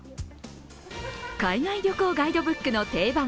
海外旅行ガイドブックの定番